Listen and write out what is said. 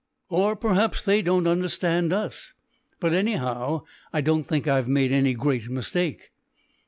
"Or perhaps they don't understand us; but anyhow, I don't think I've made any great mistake."